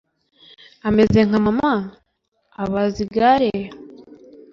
Ameze nka mama?" abaza igare.